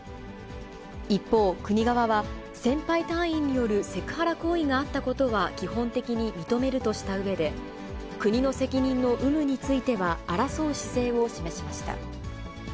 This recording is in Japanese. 一方、国側は、先輩隊員によるセクハラ行為があったことは基本的に認めるとしたうえで、国の責任の有無については、争う姿勢を示しました。